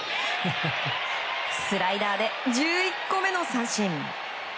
スライダーで１１個目の三振。